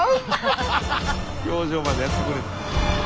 表情までやってくれて。